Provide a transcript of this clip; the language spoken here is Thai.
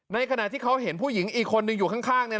ขณะที่เขาเห็นผู้หญิงอีกคนนึงอยู่ข้าง